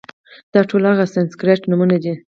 دا ټول هغه سانسکریت نومونه دي،